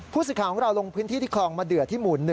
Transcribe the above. ผู้สื่อข่าวของเราลงพื้นที่ที่คลองมะเดือที่หมู่๑